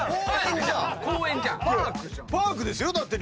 パークですよだって。